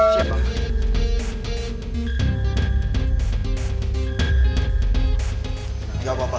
tidak ada apa apa